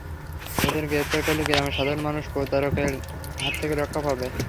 ওদের গ্রেপ্তার করলে গ্রামের সাধারণ মানুষ প্রতারকদের হাত থেকে রক্ষা পাবে।